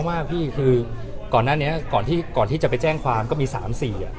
ใช่มีหลายคนเข้ามากพี่คือก่อนที่จะไปแจ้งความก็มีสามสี่